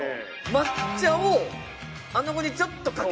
抹茶をあなごにちょっとかける？